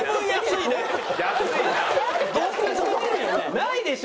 ないでしょ？